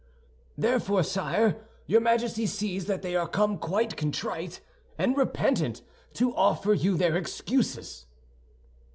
"Therefore, sire, your Majesty sees that they are come, quite contrite and repentant, to offer you their excuses."